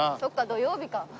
土曜日か。